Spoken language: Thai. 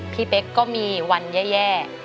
เป๊กก็มีวันแย่